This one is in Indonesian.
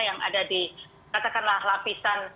yang ada di katakanlah lapisan